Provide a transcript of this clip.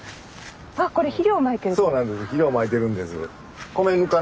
あっこれ肥料まいてるんですか。